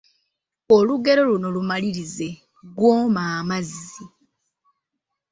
Olugero luno lumalirize : Gw'omma amazzi, …..